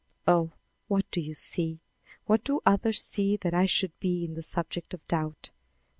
Oh, what do you see, what do others see, that I should be the subject of doubt?